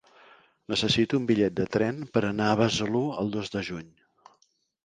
Necessito un bitllet de tren per anar a Besalú el dos de juny.